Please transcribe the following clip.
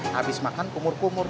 habis makan kumur kumur